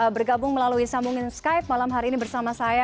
bergabung melalui sambungan skype malam hari ini bersama saya